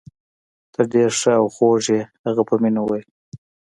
ته ډیر ښه او خوږ يې. هغه په مینه وویل.